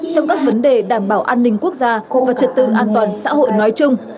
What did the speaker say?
trong các vấn đề đảm bảo an ninh quốc gia và trật tự an toàn xã hội nói chung